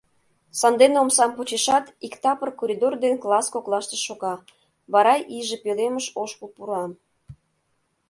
Сандене омсам почешат, иктапыр коридор ден класс коклаште шога, вара иже пӧлемыш ошкыл пура.